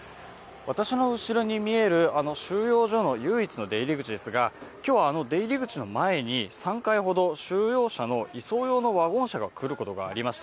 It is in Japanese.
私の後ろに見えるあの収容所の唯一の出入り口ですが、今日はあの出入り口の前に３回ほど収容者の移送用のワゴン車が来ることがありました。